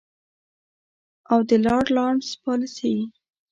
او د لارډ لارنس پالیسي.